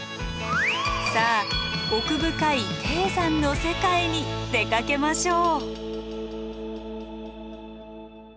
さあ奥深い低山の世界に出かけましょう。